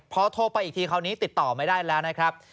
พอโทรไปอีกทีคราวนี้ติดต่อไม่ได้แล้วนะครับ